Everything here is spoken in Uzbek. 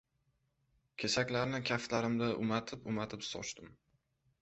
Kesaklarni kaftlarimda umatib-umatib sochdim.